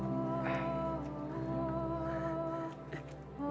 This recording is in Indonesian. ya t mas rahman